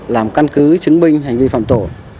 làm căn cứ chứng minh hành vi phạm tổ